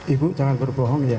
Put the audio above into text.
ibu jangan berbohong ya